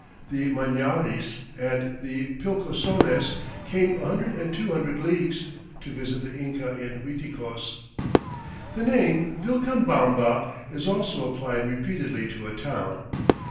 "The Mañaries and the Pilcosones came a hundred and two hundred leagues" to visit the Inca in Uiticos. The name, Vilcabamba, is also applied repeatedly to a town.